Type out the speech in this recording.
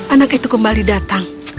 anak itu kembali datang